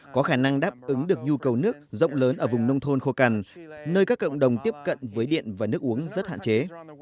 có khả năng đáp ứng được nhu cầu nước rộng lớn ở vùng nông thôn khô cằn nơi các cộng đồng tiếp cận với điện và nước uống rất hạn chế